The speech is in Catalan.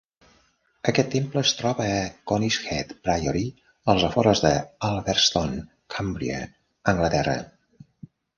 Aquest temple es troba a Conishead Priory als afores d'Ulverston, Cumbria, Anglaterra.